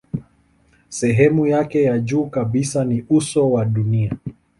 Sehemu yake ya juu kabisa ni uso wa dunia.